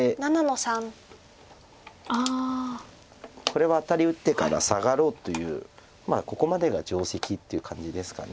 これはアタリ打ってからサガろうというここまでが定石っていう感じですか。